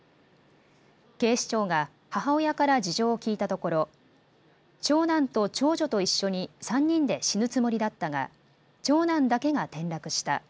警視庁が母親から事情を聴いたところ長男と長女と一緒に３人で死ぬつもりだったが長男だけが転落した。